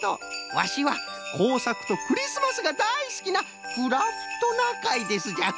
ワシはこうさくとクリスマスがだいすきなクラフトナカイですじゃ。